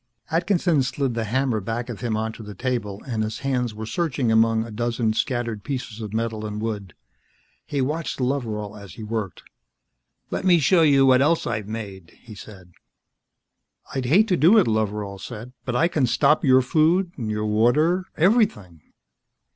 Atkinson slid the hammer back of him onto the table, and his hands were searching among a dozen scattered pieces of metal and wood. He watched Loveral as he worked. "Let me show you what else I've made," he said. "I'd hate to do it," Loveral said, "but I can stop your food, your water, everything."